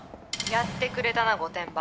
「やってくれたな御殿場」